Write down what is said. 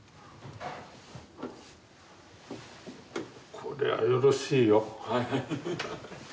これはよろしいよ。